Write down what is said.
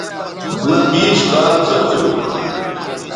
مہ بیش کال سو تھو